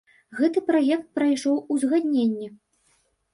Гэты праект прайшоў узгадненне.